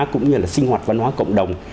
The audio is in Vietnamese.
cũng như là sinh hoạt văn hóa cộng đồng